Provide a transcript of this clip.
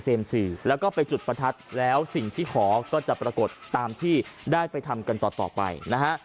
แล้วก็ไปจุดประทัดแล้วสิ่งที่ขอก็จะปรากฏตามที่ได้ไปทำกันต่อไปนะฮะ